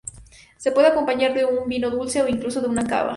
Se puede acompañar de un vino dulce o incluso de un cava.